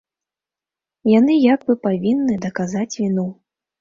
Яны як бы павінны даказаць віну.